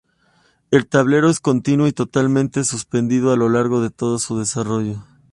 El tablero es continuo y totalmente suspendido a lo largo de todo su desarrollo.